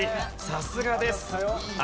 さすがです。